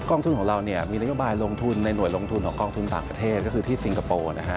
ทุนของเรามีนโยบายลงทุนในหน่วยลงทุนของกองทุนต่างประเทศก็คือที่สิงคโปร์นะฮะ